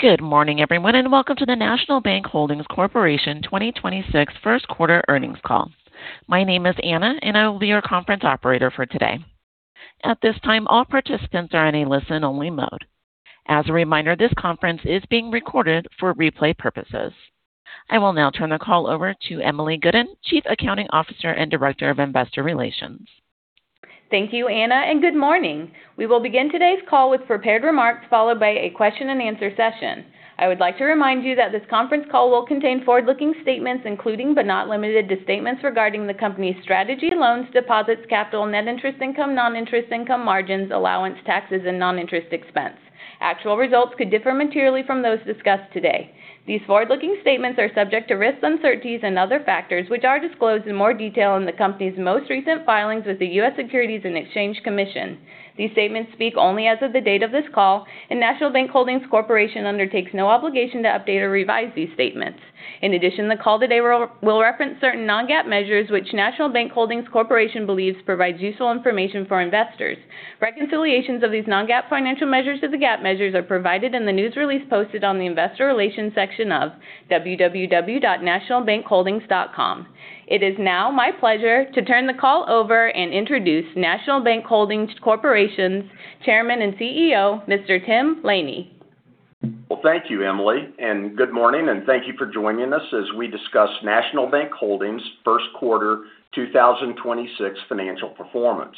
Good morning everyone, and welcome to the National Bank Holdings Corporation 2026 Q1 quarter earnings call. My name is Anna, and I will be your conference operator for today. At this time, all participants are in a listen-only mode. As a reminder, this conference is being recorded for replay purposes. I will now turn the call over to Emily Gooden, Chief Accounting Officer and Director of Investor Relations. Thank you, Anna, and good morning. We will begin today's call with prepared remarks, followed by a question and answer session. I would like to remind you that this conference call will contain forward-looking statements, including but not limited to statements regarding the company's strategy, loans, deposits, capital, net interest income, non-interest income margins, allowance, taxes, and non-interest expense. Actual results could differ materially from those discussed today. These forward-looking statements are subject to risks, uncertainties, and other factors, which are disclosed in more detail in the company's most recent filings with the U.S. Securities and Exchange Commission. These statements speak only as of the date of this call, and National Bank Holdings Corporation undertakes no obligation to update or revise these statements. In addition, the call today will reference certain non-GAAP measures, which National Bank Holdings Corporation believes provide useful information for investors. Reconciliations of these non-GAAP financial measures to the GAAP measures are provided in the news release posted on the investor relations section of www.nationalbankholdings.com. It is now my pleasure to turn the call over and introduce National Bank Holdings Corporation's chairman and CEO, Mr. Tim Laney. Well, thank you, Emily, and good morning, and thank you for joining us as we discuss National Bank Holdings' Q1 quarter 2026 financial performance.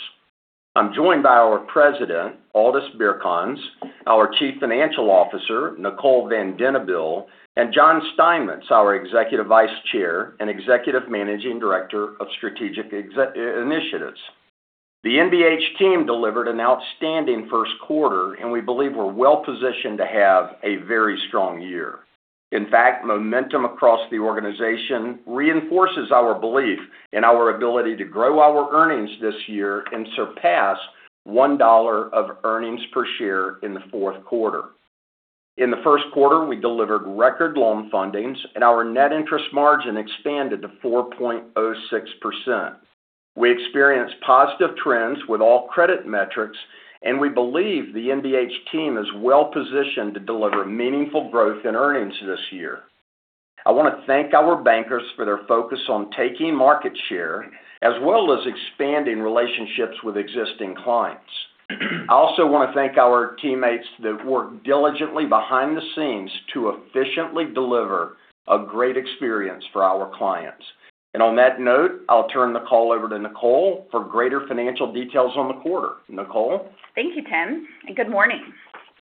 I'm joined by our President, Aldis Birkans, our Chief Financial Officer, Nicole Van Denabeele, and John Steinmetz, our Executive Vice Chair and Executive Managing Director of Strategic Initiatives. The NBH team delivered an outstanding Q1 quarter, and we believe we're well-positioned to have a very strong year. In fact, momentum across the organization reinforces our belief in our ability to grow our earnings this year and surpass $1 of earnings per share in the Q4. In the Q1 quarter, we delivered record loan fundings and our net interest margin expanded to 4.06%. We experienced positive trends with all credit metrics, and we believe the NBH team is well-positioned to deliver meaningful growth in earnings this year. I want to thank our bankers for their focus on taking market share, as well as expanding relationships with existing clients. I also want to thank our teammates that work diligently behind the scenes to efficiently deliver a great experience for our clients. On that note, I'll turn the call over to Nicole for greater financial details on the quarter. Nicole? Thank you, Tim, and good morning.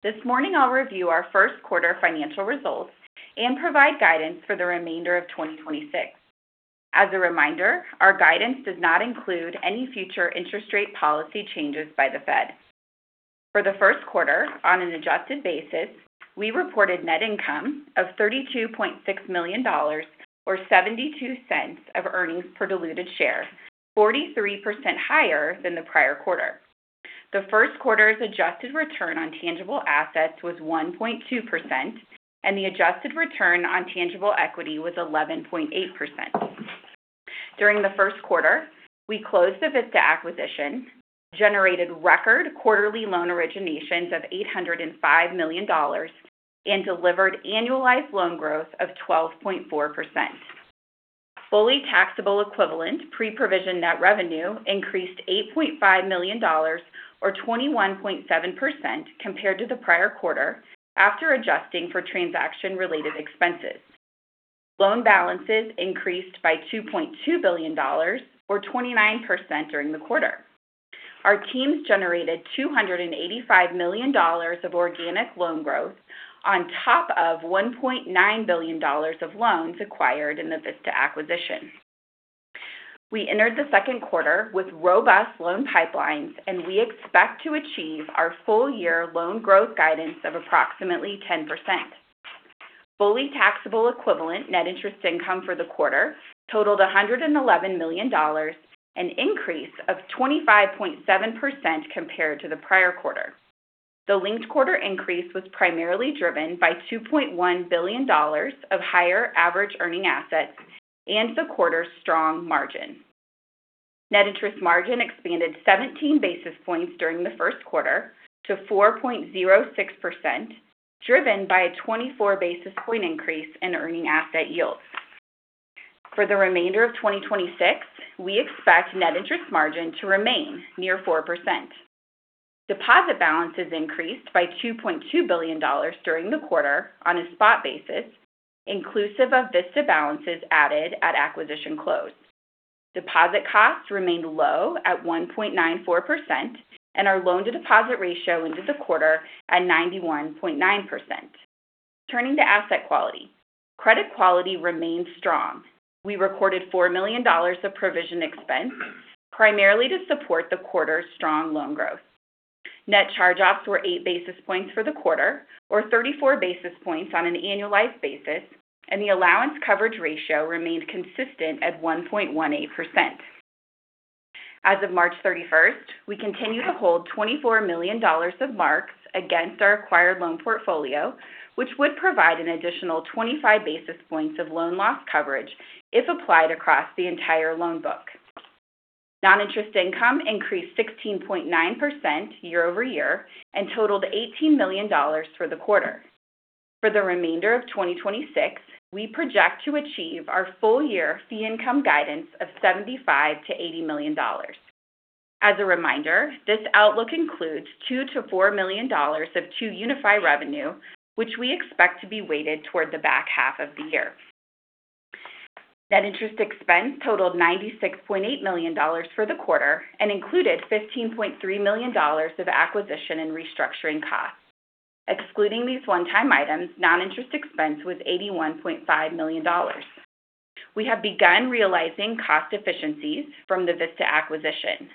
This morning, I'll review our Q1 quarter financial results and provide guidance for the remainder of 2026. As a reminder, our guidance does not include any future interest rate policy changes by the Fed. For the Q1 quarter, on an adjusted basis, we reported net income of $32.6 million or $0.72 per diluted share, 43% higher than the prior quarter. The Q1 quarter's adjusted return on tangible assets was 1.2%, and the adjusted return on tangible equity was 11.8%. During the Q1 quarter, we closed the Vista acquisition, generated record quarterly loan originations of $805 million, and delivered annualized loan growth of 12.4%. Fully taxable equivalent pre-provision net revenue increased $8.5 million or 21.7% compared to the prior quarter after adjusting for transaction-related expenses. Loan balances increased by $2.2 billion or 29% during the quarter. Our teams generated $285 million of organic loan growth on top of $1.9 billion of loans acquired in the Vista acquisition. We entered the Q2rter with robust loan pipelines, and we expect to achieve our full year loan growth guidance of approximately 10%. Fully taxable equivalent net interest income for the quarter totaled $111 million, an increase of 25.7% compared to the prior quarter. The linked quarter increase was primarily driven by $2.1 billion of higher average earning assets and the quarter's strong margin. Net interest margin expanded 17 basis points during the Q1 quarter to 4.06%, driven by a 24-basis point increase in earning asset yields. For the remainder of 2026, we expect net interest margin to remain near 4%. Deposit balances increased by $2.2 billion during the quarter on a spot basis, inclusive of Vista balances added at acquisition close. Deposit costs remained low at 1.94%, and our loan-to-deposit ratio ended the quarter at 91.9%. Turning to asset quality. Credit quality remained strong. We recorded $4 million of provision expense, primarily to support the quarter's strong loan growth. Net charge-offs were eight basis points for the quarter, or 34 basis points on an annualized basis, and the allowance coverage ratio remained consistent at 1.18%. As of March 31st, we continue to hold $24 million of marks against our acquired loan portfolio, which would provide an additional 25 basis points of loan loss coverage if applied across the entire loan book. Non-interest income increased 16.9% year-over-year and totaled $18 million for the quarter. For the remainder of 2026, we project to achieve our full year fee income guidance of $75 million-$80 million. As a reminder, this outlook includes $2 million-$4 million of 2UniFi revenue, which we expect to be weighted toward the back half of the year. Net interest income totaled $96.8 million for the quarter and included $15.3 million of acquisition and restructuring costs. Excluding these one-time items, non-interest expense was $81.5 million. We have begun realizing cost efficiencies from the Vista acquisition.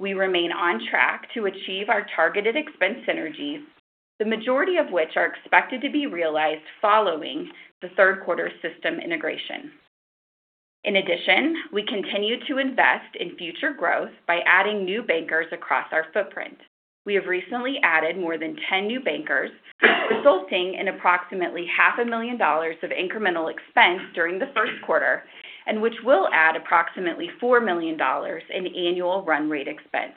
We remain on track to achieve our targeted expense synergies, the majority of which are expected to be realized following the Q3 system integration. In addition, we continue to invest in future growth by adding new bankers across our footprint. We have recently added more than 10 new bankers, resulting in approximately half a million dollars of incremental expense during the Q1 quarter, and which will add approximately $4 million in annual run rate expense.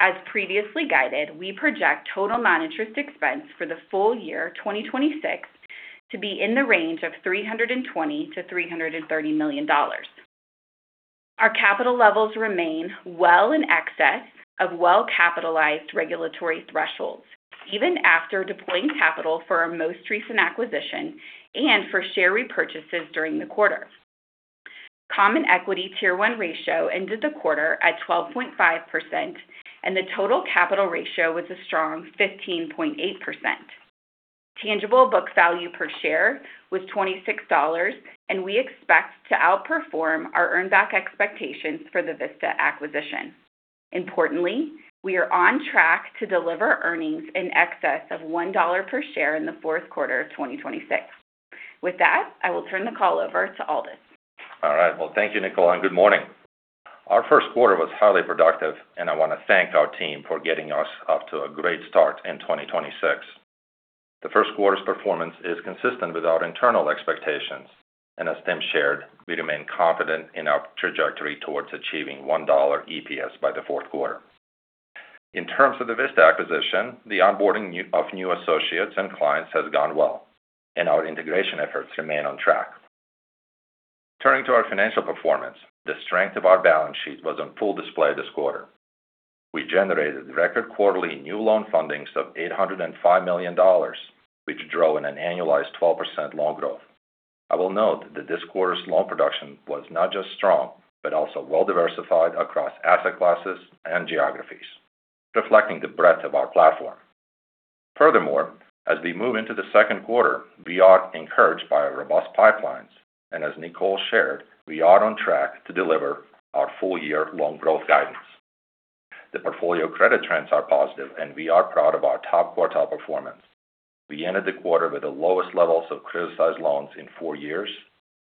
As previously guided, we project total non-interest expense for the full year 2026 to be in the range of $320 million-$330 million. Our capital levels remain well in excess of well-capitalized regulatory thresholds, even after deploying capital for our most recent acquisition and for share repurchases during the quarter. Common Equity Tier 1 ratio ended the quarter at 12.5%, and the total capital ratio was a strong 15.8%. Tangible book value per share was $26, and we expect to outperform our earn back expectations for the Vista acquisition. Importantly, we are on track to deliver earnings in excess of $1 per share in the Q4 of 2026. With that, I will turn the call over to Aldis Birkans. All right. Well, thank you, Nicole, and good morning. Our Q1 quarter was highly productive, and I want to thank our team for getting us off to a great start in 2026. The Q1 quarter's performance is consistent with our internal expectations, and as Tim shared, we remain confident in our trajectory towards achieving $1 EPS by the Q4. In terms of the Vista acquisition, the onboarding of new associates and clients has gone well, and our integration efforts remain on track. Turning to our financial performance, the strength of our balance sheet was on full display this quarter. We generated record quarterly new loan funding of $805 million, which drove an annualized 12% loan growth. I will note that this quarter's loan production was not just strong, but also well-diversified across asset classes and geographies, reflecting the breadth of our platform. Furthermore, as we move into the Q2rter, we are encouraged by our robust pipelines, and as Nicole shared, we are on track to deliver our full year loan growth guidance. The portfolio credit trends are positive, and we are proud of our top quartile performance. We ended the quarter with the lowest levels of criticized loans in four years,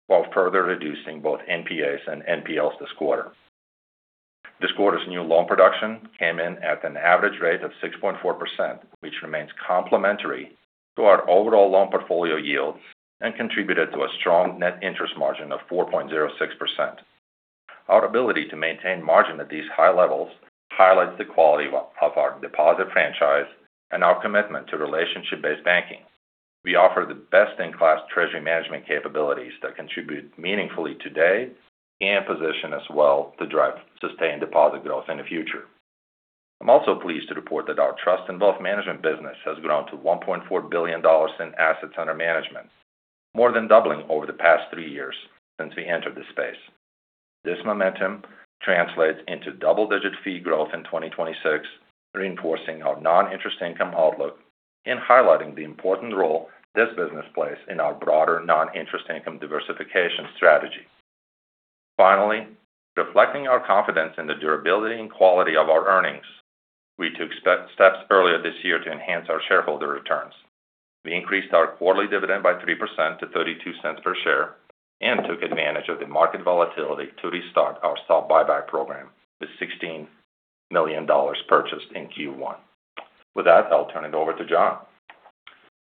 while further reducing both NPAs and NPLs this quarter. This quarter's new loan production came in at an average rate of 6.4%, which remains complementary to our overall loan portfolio yield and contributed to a strong net interest margin of 4.06%. Our ability to maintain margin at these high levels highlights the quality of our deposit franchise and our commitment to relationship-based banking. We offer the best-in-class treasury management capabilities that contribute meaningfully today and position us well to drive sustained deposit growth in the future. I'm also pleased to report that our trust and wealth management business has grown to $1.4 billion in assets under management, more than doubling over the past three years since we entered the space. This momentum translates into double-digit fee growth in 2026, reinforcing our non-interest income outlook and highlighting the important role this business plays in our broader non-interest income diversification strategy. Finally, reflecting our confidence in the durability and quality of our earnings, we took steps earlier this year to enhance our shareholder returns. We increased our quarterly dividend by 3% to $0.32 per share and took advantage of the market volatility to restock our stock buyback program with $16 million purchased in Q1. With that, I'll turn it over to John.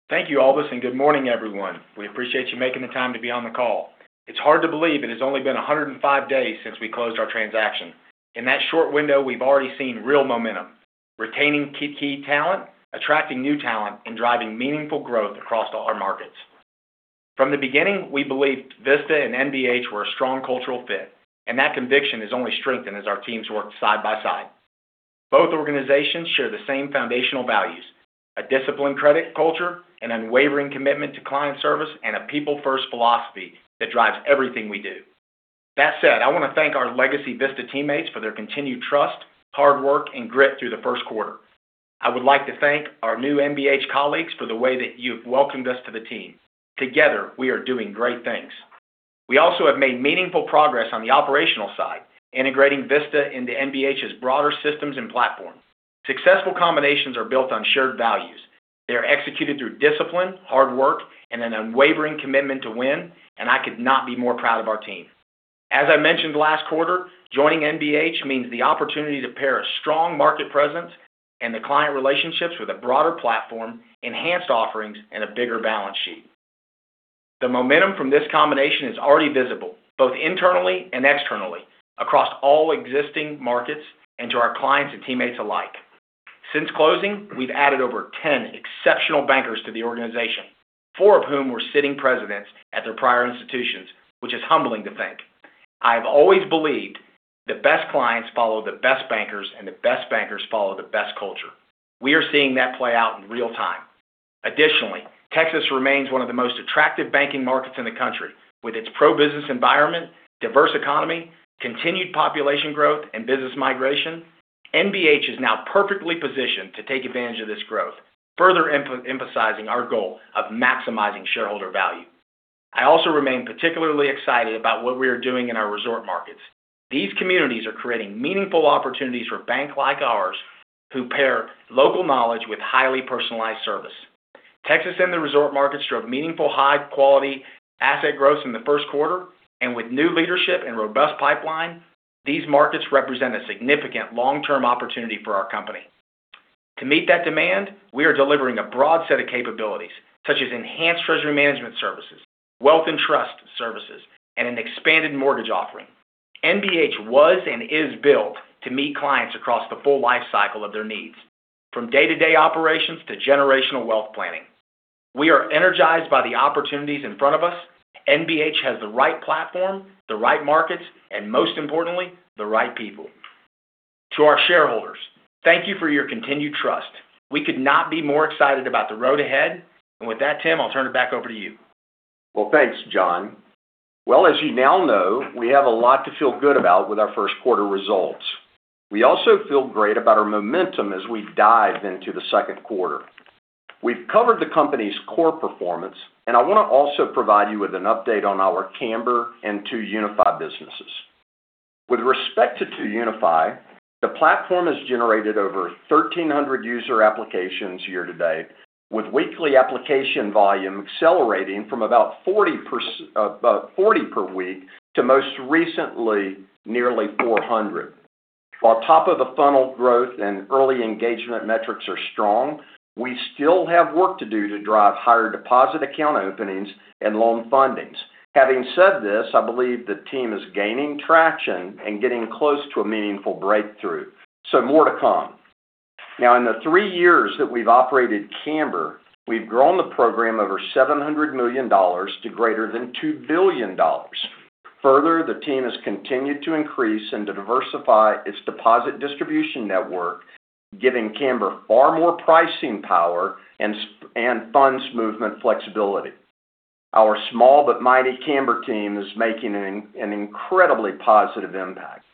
Thank you, Aldis, and good morning, everyone. We appreciate you making the time to be on the call. It's hard to believe it has only been 105 days since we closed our transaction. In that short window, we've already seen real momentum, retaining key talent, attracting new talent, and driving meaningful growth across all our markets. From the beginning, we believed Vista and NBH were a strong cultural fit, and that conviction has only strengthened as our teams work side by side. Both organizations share the same foundational values, a disciplined credit culture, an unwavering commitment to client service, and a people-Q1 philosophy that drives everything we do. That said, I want to thank our legacy Vista teammates for their continued trust, hard work, and grit through the Q1 quarter. I would like to thank our new NBH colleagues for the way that you've welcomed us to the team. Together, we are doing great things. We also have made meaningful progress on the operational side, integrating Vista into NBH's broader systems and platforms. Successful combinations are built on shared values. They are executed through discipline, hard work, and an unwavering commitment to win, and I could not be more proud of our team. As I mentioned last quarter, joining NBH means the opportunity to pair a strong market presence and the client relationships with a broader platform, enhanced offerings, and a bigger balance sheet. The momentum from this combination is already visible, both internally and externally, across all existing markets and to our clients and teammates alike. Since closing, we've added over 10 exceptional bankers to the organization, four of whom were sitting presidents at their prior institutions, which is humbling to think. I have always believed the best clients follow the best bankers, and the best bankers follow the best culture. We are seeing that play out in real time. Additionally, Texas remains one of the most attractive banking markets in the country. With its pro-business environment, diverse economy, continued population growth, and business migration, NBH is now perfectly positioned to take advantage of this growth, further emphasizing our goal of maximizing shareholder value. I also remain particularly excited about what we are doing in our resort markets. These communities are creating meaningful opportunities for banks like ours, who pair local knowledge with highly personalized service. Texas and the resort markets drove meaningful high-quality asset growth in the Q1 quarter, and with new leadership and robust pipeline, these markets represent a significant long-term opportunity for our company. To meet that demand, we are delivering a broad set of capabilities such as enhanced treasury management services, wealth and trust services, and an expanded mortgage offering. NBH was and is built to meet clients across the full life cycle of their needs, from day-to-day operations to generational wealth planning. We are energized by the opportunities in front of us. NBH has the right platform, the right markets, and most importantly, the right people. To our shareholders, thank you for your continued trust. We could not be more excited about the road ahead. With that, Tim, I'll turn it back over to you. Well, thanks, John. Well, as you now know, we have a lot to feel good about with our Q1 quarter results. We also feel great about our momentum as we dive into the Q2rter. We've covered the company's core performance, and I want to also provide you with an update on our Camber and 2UniFi businesses. With respect to 2UniFi, the platform has generated over 1,300 user applications year-to-date, with weekly application volume accelerating from about 40 per week to most recently, nearly 400. While top of the funnel growth and early engagement metrics are strong, we still have work to do to drive higher deposit account openings and loan fundings. Having said this, I believe the team is gaining traction and getting close to a meaningful breakthrough. More to come. Now, in the three years that we've operated Camber, we've grown the program over $700 million to greater than $2 billion. Further, the team has continued to increase and to diversify its deposit distribution network, giving Camber far more pricing power and funds movement flexibility. Our small but mighty Camber team is making an incredibly positive impact.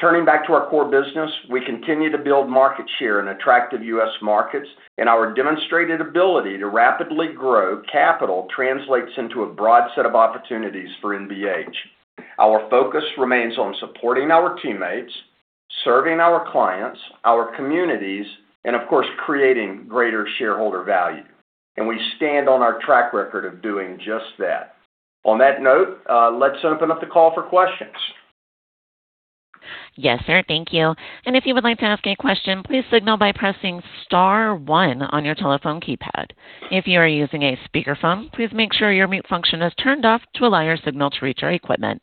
Turning back to our core business, we continue to build market share in attractive U.S. markets, and our demonstrated ability to rapidly grow capital translates into a broad set of opportunities for NBH. Our focus remains on supporting our teammates, serving our clients, our communities, and of course, creating greater shareholder value, and we stand on our track record of doing just that. On that note, let's open up the call for questions. Yes, sir. Thank you. If you would like to ask a question, please signal by pressing star one on your telephone keypad. If you are using a speakerphone, please make sure your mute function is turned off to allow your signal to reach our equipment.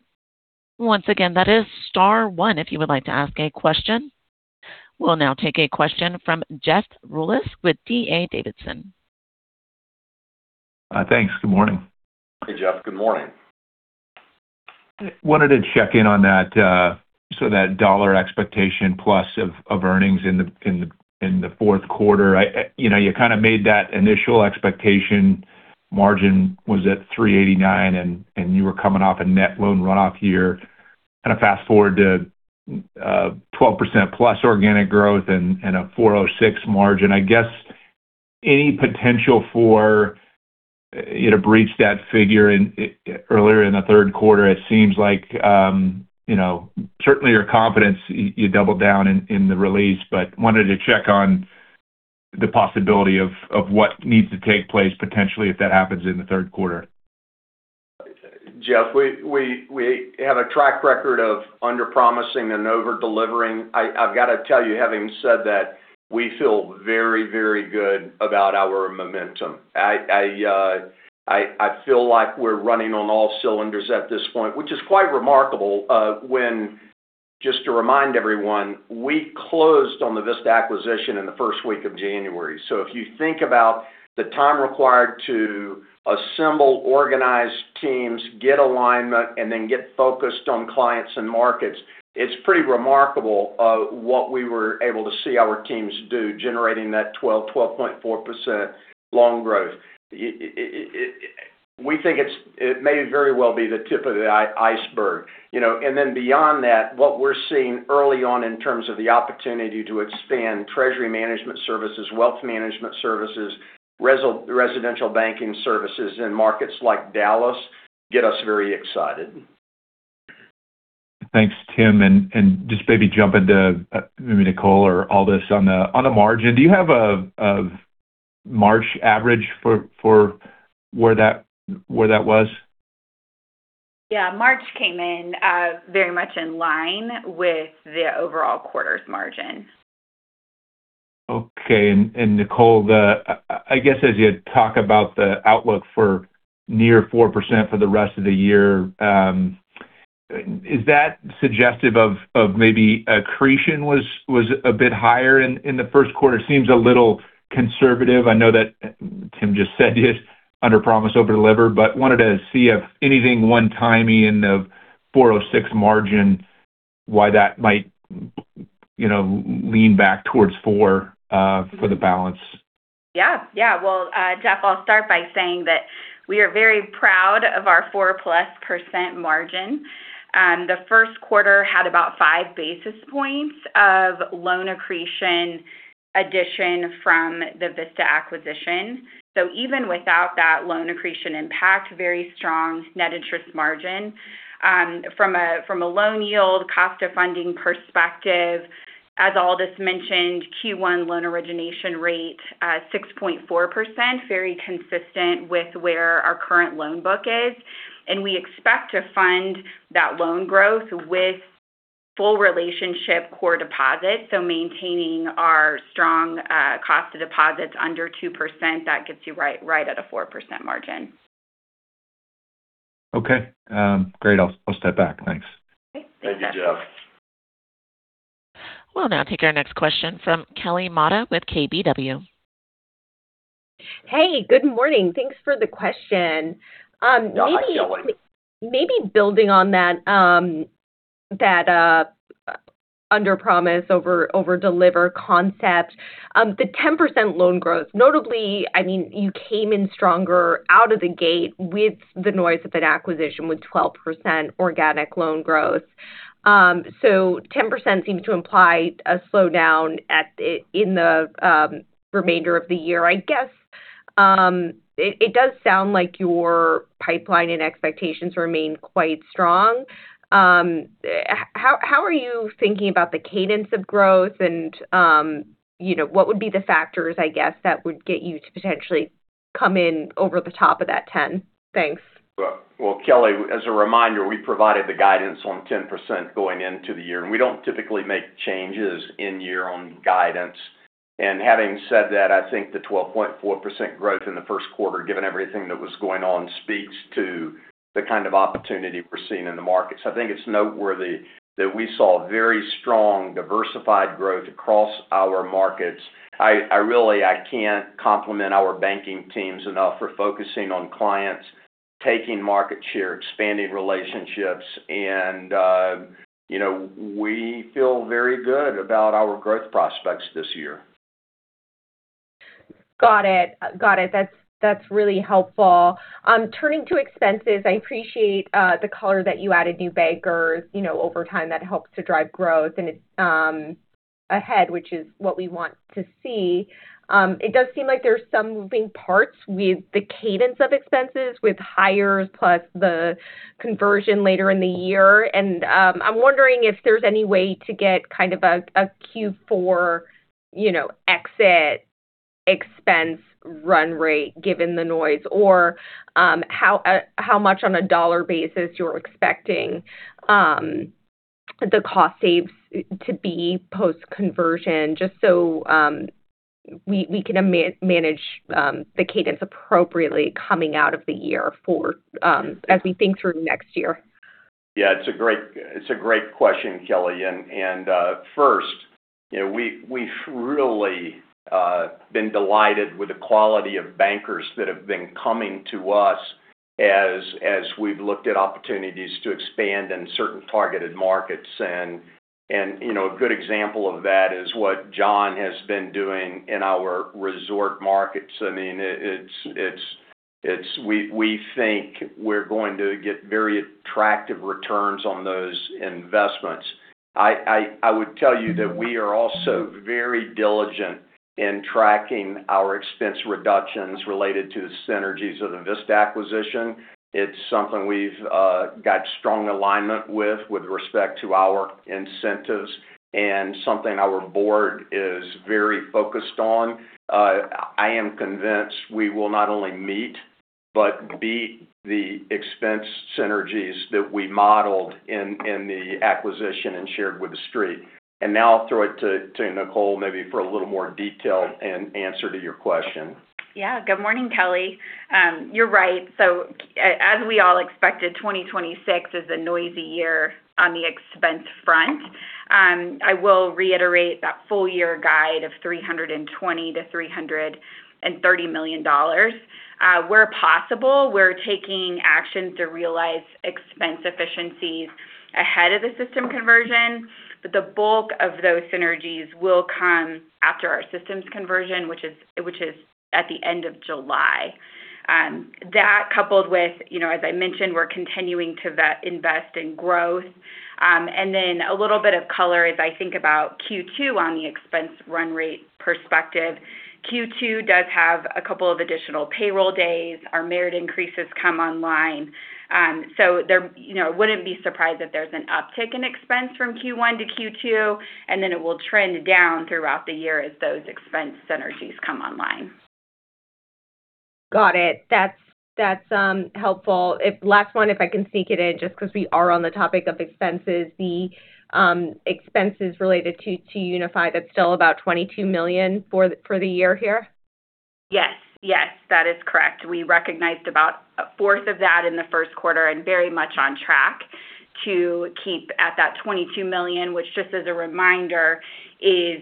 Once again, that is star one if you would like to ask a question. We'll now take a question from Jeff Rulis with D.A. Davidson. Thanks. Good morning. Hey, Jeff. Good morning. wanted to check in on that $1+ expectation of earnings in the Q4. You kind of made that initial expectation margin was at 3.89, and you were coming off a net loan runoff year. Kind of fast-forward to 12%+ organic growth and a 4.06 margin. I guess any potential for you to breach that figure earlier in the Q3? It seems like, certainly your confidence, you doubled down in the release, but wanted to check on the possibility of what needs to take place potentially if that happens in the Q3. Jeff, we have a track record of underpromising and over-delivering. I've got to tell you, having said that, we feel very, very good about our momentum. I feel like we're running on all cylinders at this point, which is quite remarkable when, just to remind everyone, we closed on the Vista acquisition in the Q1 week of January. If you think about the time required to assemble, organize teams, get alignment, and then get focused on clients and markets, it's pretty remarkable what we were able to see our teams do, generating that 12.4% loan growth. We think it may very well be the tip of the iceberg. Beyond that, what we're seeing early on in terms of the opportunity to expand treasury management services, wealth management services, residential banking services in markets like Dallas get us very excited. Thanks, Tim. Just maybe jumping to maybe Nicole or Aldis on the margin. Do you have a March average for where that was? Yeah, March came in very much in line with the overall quarter's margin. Okay. Nicole, I guess as you talk about the outlook for near 4% for the rest of the year, is that suggestive of maybe accretion was a bit higher in the Q1 quarter? It seems a little conservative. I know that Tim just said underpromise, overdeliver, but wanted to see if anything one-timey in the 4.06 margin, why that might lean back towards 4% for the balance. Yeah. Well, Jeff, I'll start by saying that we are very proud of our 4+% margin. The Q1 quarter had about 5 basis points of loan accretion addition from the Vista acquisition. Even without that loan accretion impact, very strong net interest margin. From a loan yield cost of funding perspective, as Aldis mentioned, Q1 loan origination rate, 6.4%, very consistent with where our current loan book is. We expect to fund that loan growth with full relationship core deposits, so maintaining our strong cost of deposits under 2%, that gets you right at a 4% margin. Okay. Great. I'll step back. Thanks. Okay. Thanks, Jeff. Thank you, Jeff. We'll now take our next question from Kelly Motta with KBW. Hey, good morning. Thanks for the question. Yeah. Maybe building on that underpromise, overdeliver concept. The 10% loan growth, notably, you came in stronger out of the gate with the noise of an acquisition with 12% organic loan growth. 10% seems to imply a slowdown in the remainder of the year. I guess, it does sound like your pipeline and expectations remain quite strong. How are you thinking about the cadence of growth and what would be the factors, I guess, that would get you to potentially come in over the top of that 10? Thanks. Well, Kelly, as a reminder, we provided the guidance on 10% going into the year, and we don't typically make changes in year on guidance. Having said that, I think the 12.4% growth in the Q1 quarter, given everything that was going on, speaks to the kind of opportunity we're seeing in the markets. I think it's noteworthy that we saw very strong diversified growth across our markets. I can't compliment our banking teams enough for focusing on clients, taking market share, expanding relationships, and we feel very good about our growth prospects this year. Got it. That's really helpful. Turning to expenses, I appreciate the color that you added new bankers over time that helps to drive growth and it's ahead, which is what we want to see. It does seem like there's some moving parts with the cadence of expenses with hires plus the conversion later in the year, and I'm wondering if there's any way to get kind of a Q4 exit expense run rate given the noise, or how much on a dollar basis you're expecting the cost saves to be post-conversion, just so we can manage the cadence appropriately coming out of the year as we think through next year. Yeah, it's a great question, Kelly. Q1, we've really been delighted with the quality of bankers that have been coming to us as we've looked at opportunities to expand in certain targeted markets. A good example of that is what John has been doing in our resort markets. We think we're going to get very attractive returns on those investments. I would tell you that we are also very diligent in tracking our expense reductions related to the synergies of the Vista acquisition. It's something we've got strong alignment with respect to our incentives and something our board is very focused on. I am convinced we will not only meet but beat the expense synergies that we modeled in the acquisition and shared with The Street. Now I'll throw it to Nicole maybe for a little more detail and answer to your question. Yeah. Good morning, Kelly. You're right. As we all expected, 2026 is a noisy year on the expense front. I will reiterate that full year guide of $320 million-$330 million. Where possible, we're taking action to realize expense efficiencies ahead of the system conversion, but the bulk of those synergies will come after our systems conversion, which is at the end of July. That coupled with, as I mentioned, we're continuing to invest in growth. Then a little bit of color as I think about Q2 on the expense run rate perspective. Q2 does have a couple of additional payroll days. Our merit increases come online. I wouldn't be surprised if there's an uptick in expense from Q1 to Q2, and then it will trend down throughout the year as those expense synergies come online. Got it. That's helpful. Last one, if I can sneak it in, just because we are on the topic of expenses. The expenses related to 2UniFi, that's still about $22 million for the year here? Yes. That is correct. We recognized about a fourth of that in the Q1 quarter and very much on track to keep at that $22 million, which just as a reminder, is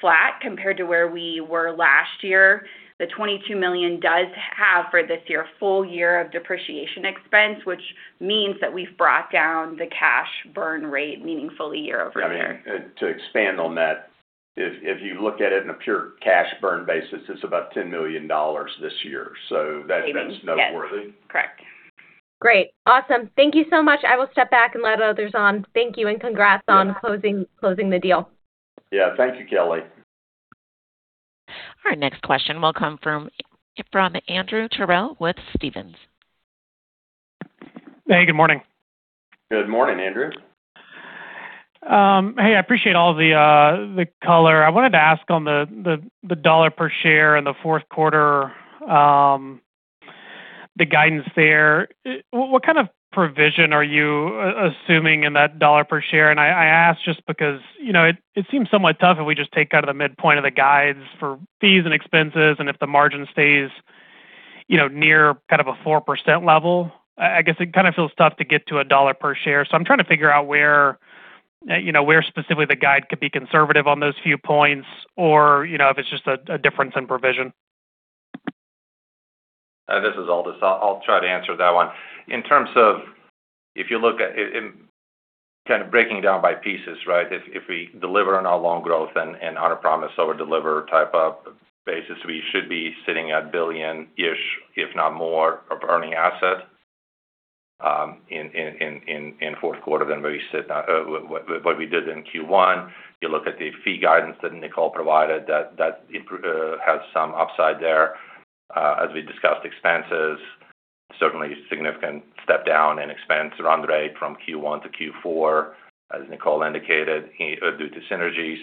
flat compared to where we were last year. The $22 million does have, for this year, a full year of depreciation expense, which means that we've brought down the cash burn rate meaningfully year-over-year. I mean, to expand on that, if you look at it in a pure cash burn basis, it's about $10 million this year. That's noteworthy. Correct. Great. Awesome. Thank you so much. I will step back and let others on. Thank you, and congrats on closing the deal. Yeah. Thank you, Kelly. Our next question will come from Andrew Terrell with Stephens. Hey, good morning. Good morning, Andrew. Hey, I appreciate all the color. I wanted to ask on the $1 per share in the Q4, the guidance there. What kind of provision are you assuming in that $1 per share? I ask just because it seems somewhat tough if we just take out of the midpoint of the guides for fees and expenses and if the margin stays near kind of a 4% level. I guess it kind of feels tough to get to a $1 per share. I'm trying to figure out where specifically the guide could be conservative on those few points or if it's just a difference in provision. This is Aldis. I'll try to answer that one. In terms of if you look at kind of breaking down by pieces. If we deliver on our loan growth and on a promise over-deliver type of basis, we should be sitting at $1 billion-ish, if not more of earning assets in Q4 than what we did in Q1. You look at the fee guidance that Nicole provided, that has some upside there. As we discussed, expenses, certainly a significant step down in expense run rate from Q1 to Q4, as Nicole indicated, due to synergies.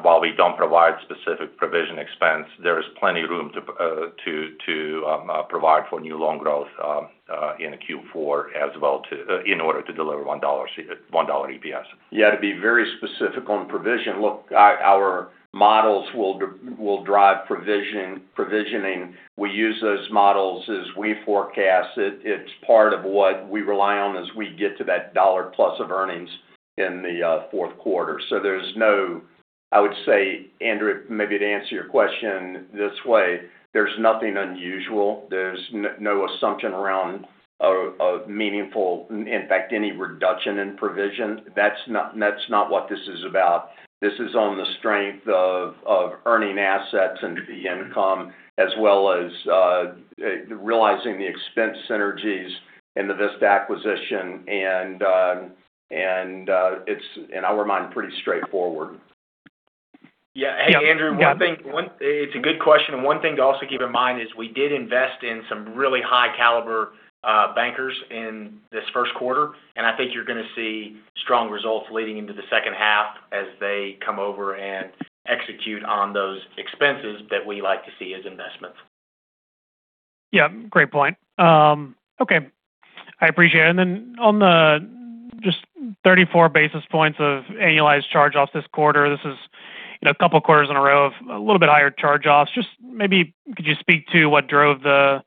While we don't provide specific provision expense, there is plenty of room to provide for new loan growth in Q4 as well in order to deliver $1 EPS. Yeah. To be very specific on provision, look, our models will drive provisioning. We use those models as we forecast. It's part of what we rely on as we get to that $1+ of earnings in the Q4. There's no, I would say, Andrew, maybe to answer your question this way, there's nothing unusual. There's no assumption around a meaningful, in fact, any reduction in provision. That's not what this is about. This is on the strength of earning assets and fee income, as well as realizing the expense synergies in the Vista acquisition, and it's, in our mind, pretty straightforward. Hey, Andrew, it's a good question. One thing to also keep in mind is we did invest in some really high-caliber bankers in this Q1 quarter, and I think you're going to see strong results leading into the H2 as they come over and execute on those expenses that we like to see as investments. Yeah, great point. Okay. I appreciate it. On the just 34 basis points of annualized charge-offs this quarter, this is a couple quarters in a row of a little bit higher charge-offs. Just maybe could you speak to what drove the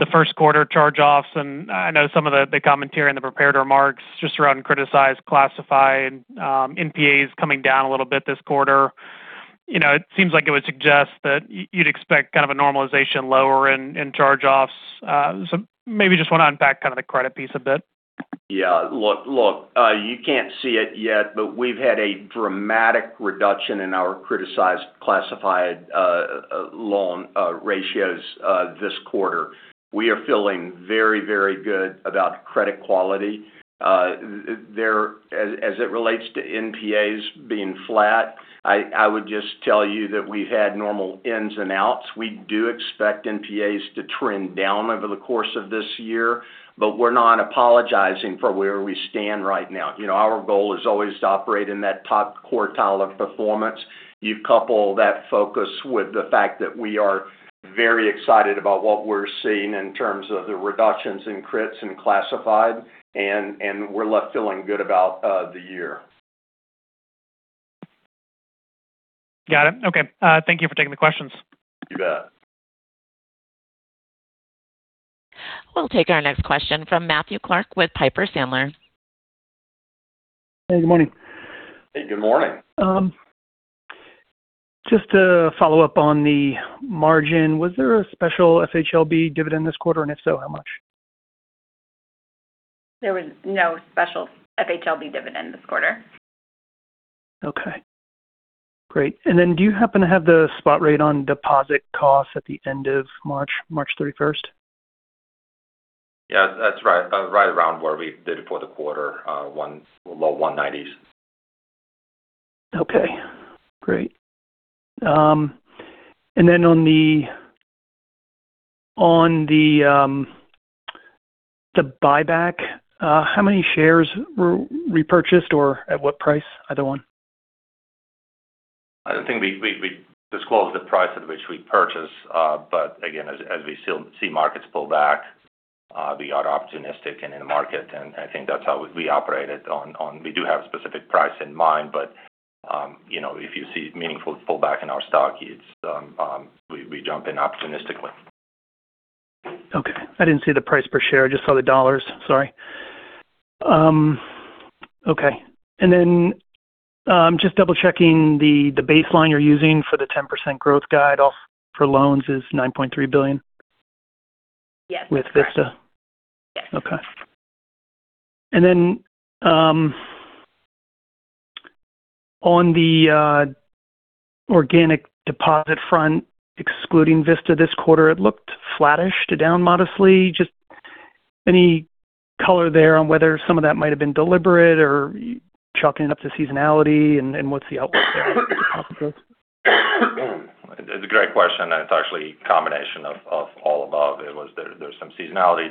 Q1 quarter charge-offs? I know some of the commentary in the prepared remarks just around criticized, classified NPAs coming down a little bit this quarter. It seems like it would suggest that you'd expect kind of a normalization lower in charge-offs. Maybe just want to unpack kind of the credit piece a bit. Yeah. Look, you can't see it yet, but we've had a dramatic reduction in our criticized classified loan ratios this quarter. We are feeling very, very good about credit quality. As it relates to NPAs being flat, I would just tell you that we've had normal ins and outs. We do expect NPAs to trend down over the course of this year, but we're not apologizing for where we stand right now. Our goal is always to operate in that top quartile of performance. You couple that focus with the fact that we are very excited about what we're seeing in terms of the reductions in crits and classified, and we're left feeling good about the year. Got it. Okay. Thank you for taking the questions. You bet. We'll take our next question from Matthew Clark with Piper Sandler. Hey, good morning. Hey, good morning. Just to follow up on the margin, was there a special FHLB dividend this quarter, and if so, how much? There was no special FHLB dividend this quarter. Okay. Great. Do you happen to have the spot rate on deposit costs at the end of March 31st? Yeah, that's right around where we did it for the quarter, low 190s. Okay. Great. On the buyback, how many shares were repurchased or at what price? Either one. I don't think we disclose the price at which we purchase. Again, as we see markets pull back, we are opportunistic and in the market, and I think that's how we operate it. We do have a specific price in mind, but if you see meaningful pullback in our stock, we jump in opportunistically. Okay. I didn't see the price per share. I just saw the dollars. Sorry. Okay. Just double-checking the baseline you're using for the 10% growth guidance for loans is $9.3 billion? Yes. With Vista? Yes. Okay. On the organic deposit front, excluding Vista this quarter, it looked flattish to down modestly. Just any color there on whether some of that might have been deliberate or chalking it up to seasonality and what's the outlook there for deposit growth? It's a great question, and it's actually a combination of all above. There's some seasonality.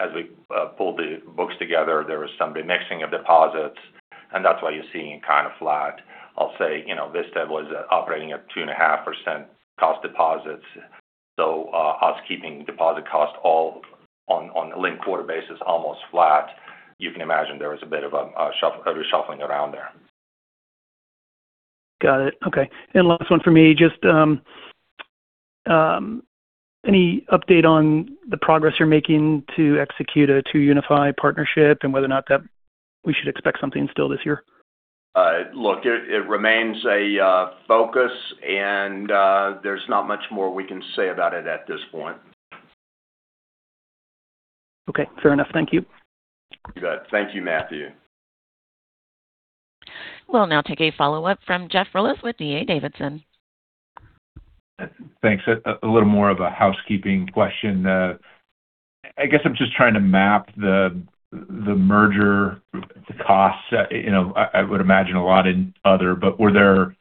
As we pulled the books together, there was some remixing of deposits, and that's why you're seeing kind of flat. I'll say, Vista was operating at 2.5% cost of deposits. Us keeping deposit cost all on a linked-quarter basis, almost flat, you can imagine there was a bit of a reshuffling around there. Got it. Okay. Last one for me. Just any update on the progress you're making to execute a 2UniFi partnership and whether or not that we should expect something still this year? Look, it remains a focus, and there's not much more we can say about it at this point. Okay, fair enough. Thank you. You got it. Thank you, Matthew. We'll now take a follow-up from Jeff Rulis with D.A. Davidson. Thanks. A little more of a housekeeping question. I guess I'm just trying to map the merger costs. I would imagine a lot in other, but were there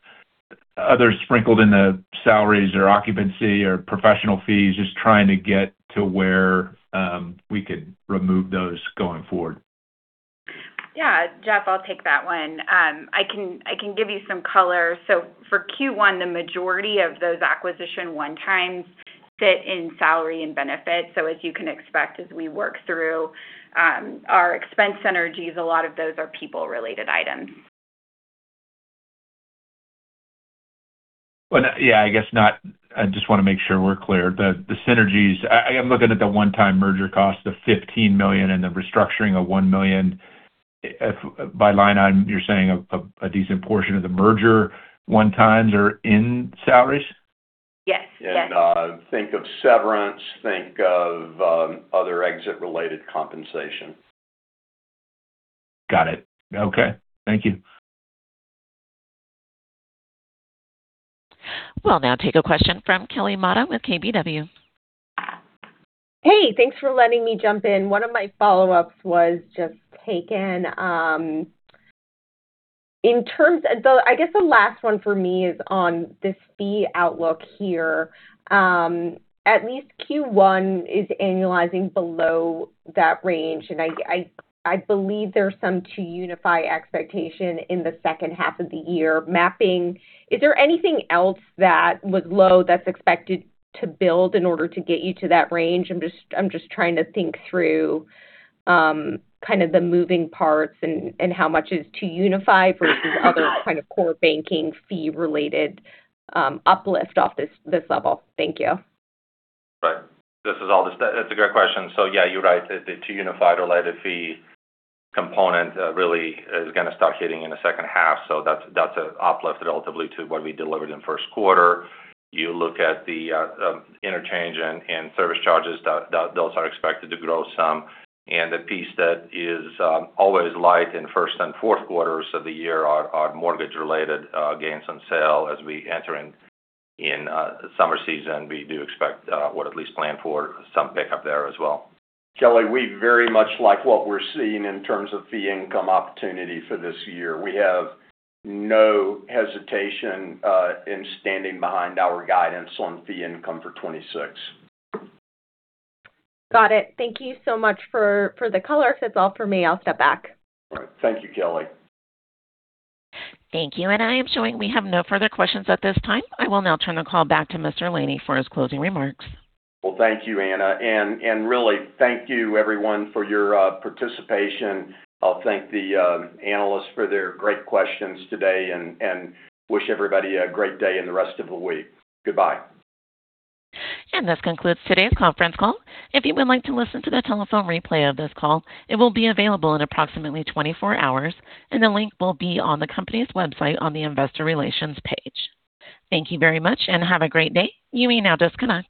others sprinkled in the salaries or occupancy or professional fees? Just trying to get to where we could remove those going forward. Yeah. Jeff, I'll take that one. I can give you some color. For Q1, the majority of those acquisition one-times sit in salary and benefits. As you can expect, as we work through our expense synergies, a lot of those are people-related items. Yeah, I guess not. I just want to make sure we're clear. The synergies. I'm looking at the one-time merger cost of $15 million and the restructuring of $1 million. By line item, you're saying a decent portion of the merger one-times are in salaries? Yes. Think of severance, think of other exit-related compensation. Got it. Okay. Thank you. We'll now take a question from Kelly Motta with KBW. Hey, thanks for letting me jump in. One of my follow-ups was just taken. I guess the last one for me is on this fee outlook here. At least Q1 is annualizing below that range, and I believe there's some 2UniFi expectation in the H2 of the year. Mapping, is there anything else that was low that's expected to build in order to get you to that range? I'm just trying to think through kind of the moving parts and how much is 2UniFi versus other kind of core banking fee-related uplift off this level. Thank you. Right. That's a great question. Yeah, you're right. The 2UniFi-related fee component really is going to start hitting in the H2. That's an uplift relative to what we delivered in the Q1 quarter. You look at the interchange and service charges, those are expected to grow some. The piece that is always light in Q1 and Q4s of the year are mortgage-related gains on sale. As we enter in summer season, we do expect or at least plan for some pickup there as well. Kelly, we very much like what we're seeing in terms of fee income opportunity for this year. We have no hesitation in standing behind our guidance on fee income for 2026. Got it. Thank you so much for the color. If it's all for me, I'll step back. All right. Thank you, Kelly. Thank you. I am showing we have no further questions at this time. I will now turn the call back to Mr. Laney for his closing remarks. Well, thank you, Anna. Really, thank you everyone for your participation. I'll thank the analysts for their great questions today and wish everybody a great day and the rest of the week. Goodbye. This concludes today's conference call. If you would like to listen to the telephone replay of this call, it will be available in approximately 24 hours, and the link will be on the company's website on the investor relations page. Thank you very much and have a great day. You may now disconnect.